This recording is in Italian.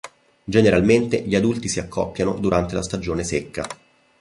Generalmente gli adulti si accoppiano durante la stagione secca.